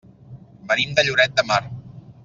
Venim de Lloret de Mar.